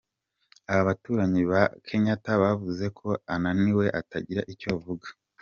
Ababuranyi ba Kenyatta bavuze ko ananiwe atagira icyo avuga.